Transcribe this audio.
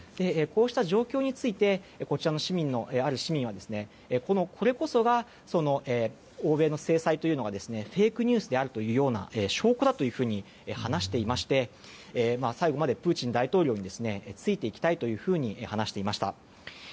こうした状況についてこちらの、ある市民はこれこそが欧米の制裁というのがフェイクニュースであるというような証拠だというふうに話していまして、最後までプーチン大統領についていきたいと話していました。